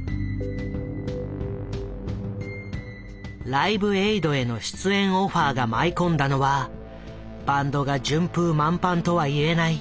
「ライブエイド」への出演オファーが舞い込んだのはバンドが順風満帆とは言えない